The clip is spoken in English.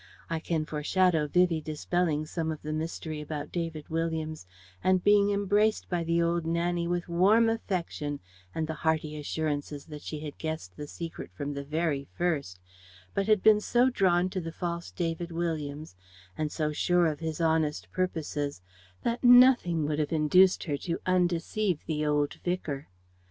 I can foreshadow Vivie dispelling some of the mystery about David Williams and being embraced by the old Nannie with warm affection and the hearty assurances that she had guessed the secret from the very first but had been so drawn to the false David Williams and so sure of his honest purposes that nothing would have induced her to undeceive the old Vicar.